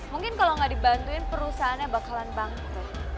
mungkin kalo ga dibantuin perusahaannya bakalan bangkut